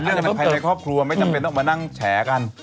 ภายในครอบครัวไม่จำเป็นต้องมานั่งแฉกัน